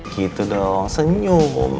gitu dong senyum